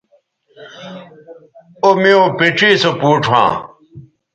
او میوں پڇے سو پوڇ ھواں